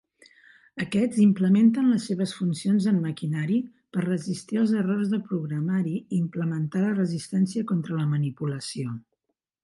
Aquests implementen les seves funcions en maquinari per resistir els errors de programari i implementar la resistència contra la manipulació.